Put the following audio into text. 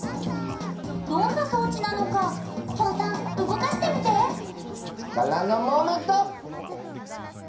どんな装置なのかきょんさん動かしてみておお！